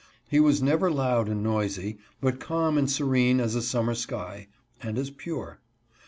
He was never loud and noisy, but calm and serene as a summer sky, and as pure.